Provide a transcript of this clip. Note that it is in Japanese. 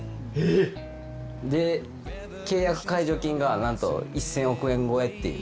えっ！で契約解除金がなんと１０００億円超えっていう。